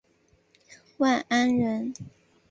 万安人。